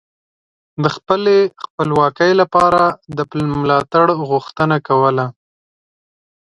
د خپلې خپلواکۍ لپاره د ملاتړ غوښتنه کوله